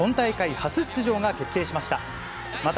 初出場が決定しました。